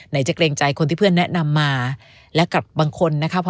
จะเกรงใจคนที่เพื่อนแนะนำมาและกับบางคนนะคะ